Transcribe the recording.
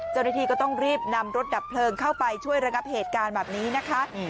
เจ้าหน้าที่ก็ต้องรีบนำรถดับเพลิงเข้าไปช่วยระงับเหตุการณ์แบบนี้นะคะ